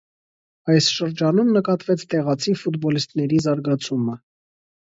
Այս շրջանում նկատվեց տեղացի ֆուտբոլիստների զարգացումը։